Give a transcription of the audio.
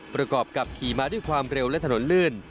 ประกอบกับขี่มาด้วยความเร็วและถนนลื่น